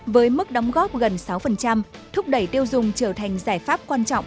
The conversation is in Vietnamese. với mức đóng góp gần sáu thúc đẩy tiêu dùng trở thành giải pháp quan trọng